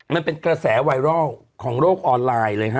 มันเป็นกระแสไวรัลของโลกออนไลน์เลยฮะ